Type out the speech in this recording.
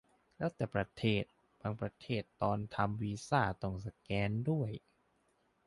แล้วแต่ประเทศ บางประเทศตอนทำวีซ่าต้องสแกนด้วย